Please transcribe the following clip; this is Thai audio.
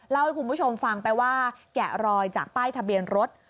เล่าให้คุณผู้ชมฟังไปว่าแกะรอยจากป้ายทะเบียนรถ